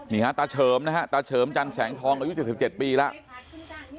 นี่ฮะตาเฉิมนะฮะตาเฉิมจันแสงทองอายุ๗๗ปีแล้ว